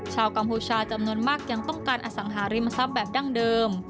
กัมพูชาจำนวนมากยังต้องการอสังหาริมทรัพย์แบบดั้งเดิม